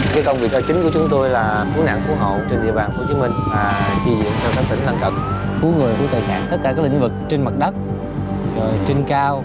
cái công việc cao chính của chúng tôi là cứu nạn cứu hộ trên địa bàn hồ chí minh và chi diện cho các tỉnh thân cận cứu người cứu tài sản tất cả các lĩnh vực trên mặt đất trên cao